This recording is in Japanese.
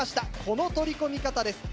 この取り込み方です。